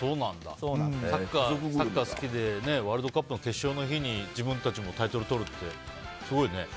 サッカー好きでワールドカップの決勝の日に自分たちもタイトルをとるってすごいね。